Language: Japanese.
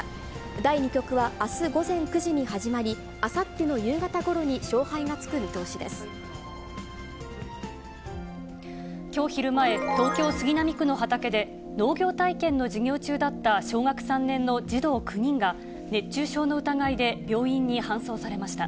第２局はあす午前９時に始まり、あさっての夕方ごろに勝敗がつくきょう昼前、東京・杉並区の畑で、農業体験の授業中だった小学３年の児童９人が、熱中症の疑いで病院に搬送されました。